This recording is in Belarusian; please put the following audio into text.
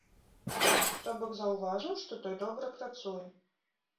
То бок заўважыў, што той добра працуе!